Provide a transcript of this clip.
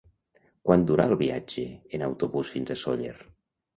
Quant dura el viatge en autobús fins a Sóller?